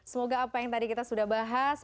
semoga apa yang tadi kita sudah bahas